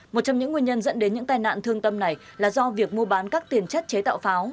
một trong những nguyên nhân dẫn đến những tai nạn thương tâm này là do việc mua bán các tiền chất chế tạo pháo